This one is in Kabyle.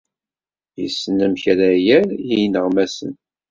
Yessen amek ara yerr i yineɣmasen.